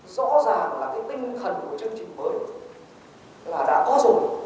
rõ ràng là cái tinh thần của chương trình mới là đã có rồi